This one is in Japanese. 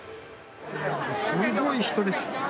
すごい人です。